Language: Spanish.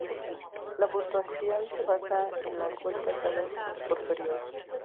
La puntuación se basa en las vueltas dadas por período.